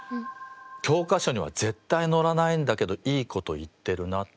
教科書には絶対載らないんだけどいいこと言ってるなって。